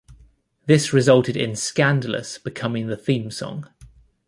This resulted in "Scandalous" becoming the theme song.